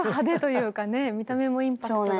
見た目のインパクトが。